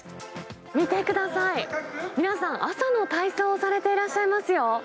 見てください、皆さん、朝の体操をされてらっしゃいますよ。